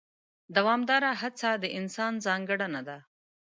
دوامداره هڅه د انسان ځانګړنه ده.